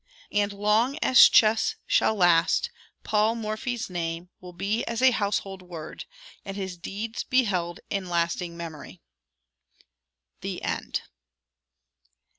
And long as Chess shall last, Paul Morphy's name will be as a "Household Word," and his deeds be held in lasting memory. THE END.